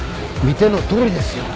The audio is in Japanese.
見てのとおりですよ。